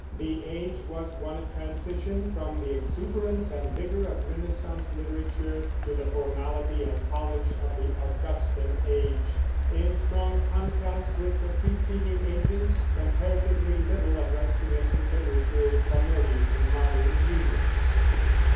The age was one of transition from the exuberance and vigor of Renaissance literature to the formality and polish of the Augustan Age. In strong contrast with the preceding ages, comparatively little of Restoration literature is familiar to modern readers.